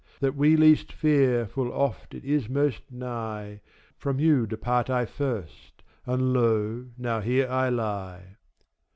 That we least fear, full oft it is most nigh, From you depart I first, and lo now here I lie.